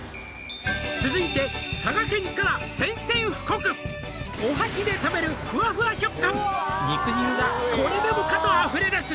「続いて佐賀県から宣戦布告」「お箸で食べるフワフワ食感を」「肉汁がこれでもかとあふれだす」